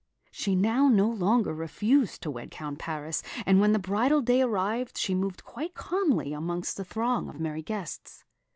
She now no longer refused to wed Count Paris; and when the bridal day arrived, she moved quite calmly amongst the throng of merry guests.